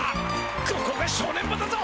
ここが正念場だぞ！